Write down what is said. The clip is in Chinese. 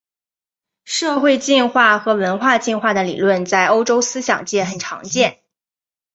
社会进化和文化进化的理论在欧洲思想界很常见。